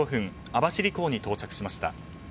網走港に到着しました。